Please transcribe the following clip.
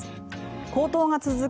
高騰が続く